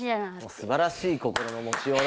すばらしい心のもちようだ。